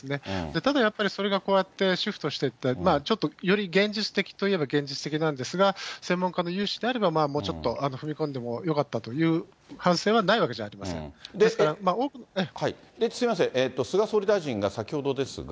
ただやっぱり、それがこうやってシフトしていって、ちょっとより現実的といえば現実的なんですが、専門家の有志であれば、もうちょっと踏み込んでもよかったという、すみません、菅総理大臣が先ほどですが。